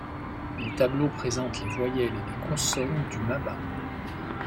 Les tableaux présentent les voyelles et les consonnes du maba.